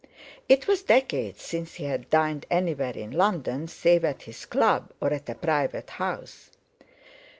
It was decades since he had dined anywhere in London save at his Club or at a private house.